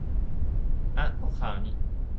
อ๊ะ ตกข่าวนิ